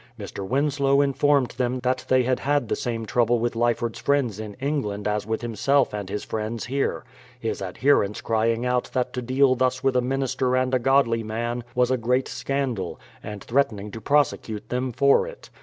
Mr. Winslow informed them that they had had the same trouble with Lyford's THE PLYMOUTH SETTLEMENT 161 friends in England as with himself and his friends here, — his adherents crying out that to deal thus with a minister and a godly man was a great scandal, and threatening to prosecute them for it.